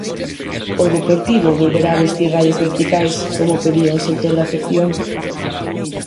O Deportivo volverá a vestir raias verticais, como pedía un sector da afección.